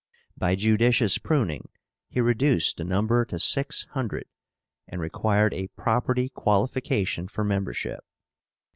By judicious pruning he reduced the number to six hundred, and required a property qualification for membership.